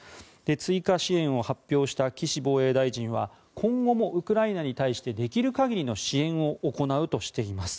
追加支援を発表した岸防衛大臣は今後もウクライナに対してできる限りの支援を行うとしています。